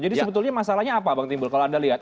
jadi sebetulnya masalahnya apa bang timbul kalau anda lihat